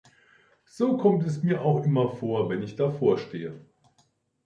So kommt es mir auch immer vor, wenn ich davor stehe.